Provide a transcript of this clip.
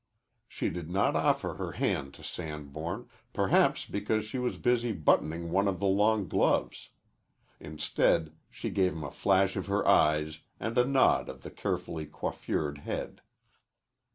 She did not offer her hand to Sanborn, perhaps because she was busy buttoning one of the long gloves. Instead, she gave him a flash of her eyes and a nod of the carefully coiffured head.